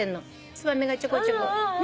ツバメがちょこちょこ。